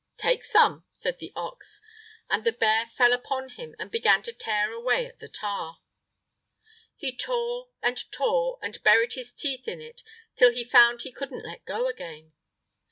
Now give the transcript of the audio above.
"Take some," said the ox, and the bear fell upon him and began to tear away at the tar. He tore and tore, and buried his teeth in it till he found he couldn't let go again.